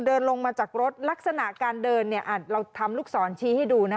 เดินลงมาจากรถลักษณะการเดินเราทำลูกศรชี้ให้ดูนะ